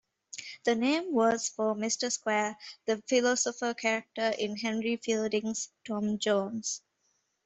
The name was for Mr. Square, the philosopher character in Henry Fielding's "Tom Jones".